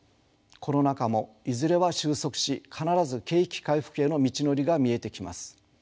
コロナ禍もいずれは収束し必ず景気回復への道のりが見えてきます。